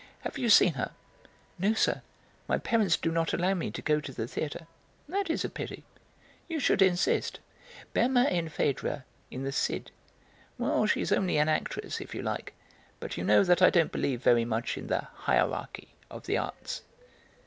Have you seen her?" "No, sir, my parents do not allow me to go to the theatre." "That is a pity. You should insist. Berma in Phèdre, in the Cid; well, she's only an actress, if you like, but you know that I don't believe very much in the 'hierarchy' of the arts."